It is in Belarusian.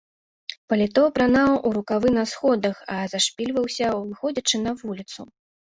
Паліто апранаў у рукавы на сходах, а зашпільваўся выходзячы на вуліцу.